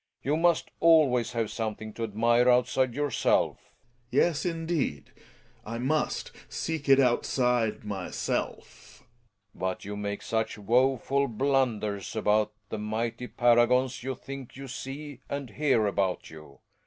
You j must always have something to admire outside yourself^ I Gregers. Yes, indeed, I must seek it outside myself, f Rellino. But you make such woeful blunders about \ the mighty paragons you think you see and hear about I you.